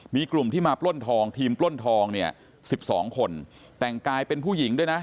มีกลุ่มที่มาปล้นทองทีมปล้นทองเนี่ย๑๒คนแต่งกายเป็นผู้หญิงด้วยนะ